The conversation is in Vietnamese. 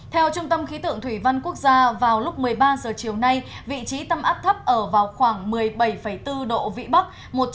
theo trung tâm khí tượng thủy văn quốc gia vào lúc một mươi ba h chiều nay vị trí tâm áp thấp ở vào khoảng một mươi bảy bốn độ vĩ bắc